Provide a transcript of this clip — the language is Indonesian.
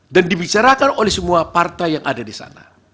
dan dibicarakan oleh semua partai yang ada di sana